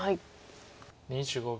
２５秒。